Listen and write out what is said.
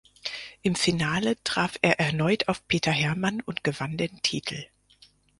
Im Finale traf er erneut auf Peter Herrmann und gewann den Titel.